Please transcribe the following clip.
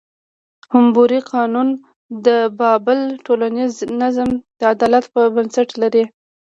حموربي قانون د بابل ټولنیز نظم د عدالت په بنسټ لري.